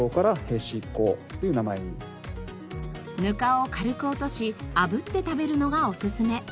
ぬかを軽く落としあぶって食べるのがおすすめ。